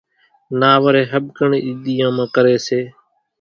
نا وري ۿٻڪڻ اِي ۮيان مان ڪري سي۔